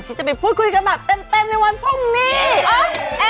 จะไปพูดคุยกันแบบเต็มในวันพรุ่งนี้